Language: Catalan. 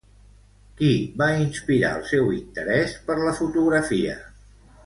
Qui va inspirar el seu interès per la fotografia?